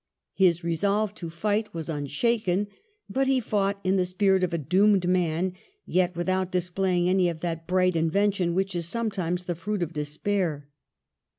His resolve to fight was unshaken, but he fought in the spirit of a doomed man, yet with out displaying any of that bright invention which is sometimes the fruit of despair.